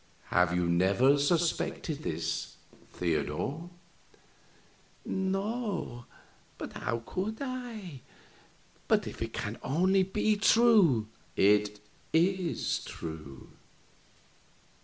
"Have you never suspected this, Theodor?" "No. How could I? But if it can only be true " "It is true."